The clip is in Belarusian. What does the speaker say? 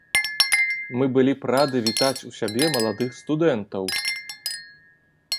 Мы былі б рады вітаць у сябе маладых студэнтаў.